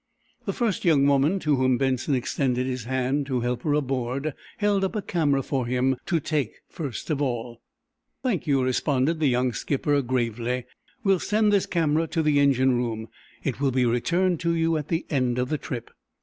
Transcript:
The first young woman to whom Benson extended his hand to help her aboard held up a camera for him to take first of all. "Thank you," responded the young skipper, gravely. "We will send this camera to the engine room. It will be returned to you at the end of the trip."